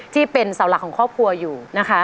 ที่เป็นเสาหลักของครอบครัวอยู่นะคะ